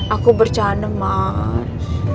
aku bercana mas